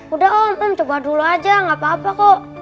udah om em coba dulu aja gapapa kok